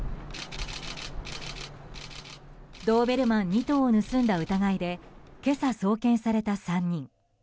ドーベルマン２頭を盗んだ疑いで今朝、送検された３人。